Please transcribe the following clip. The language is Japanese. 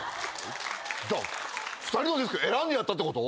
じゃあ２人のデスク選んでやったってこと？